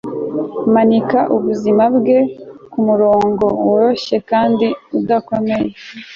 Manika ubuzima bwe kumurongo woroshye kandi udakomeye